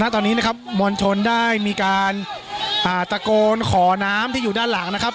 ตอนนี้นะครับมวลชนได้มีการตะโกนขอน้ำที่อยู่ด้านหลังนะครับ